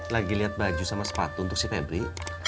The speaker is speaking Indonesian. lagi lihat baju sama sepatu untuk si febri